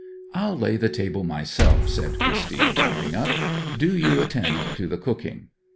'I'll lay the table myself,' said Christine, jumping up. 'Do you attend to the cooking.'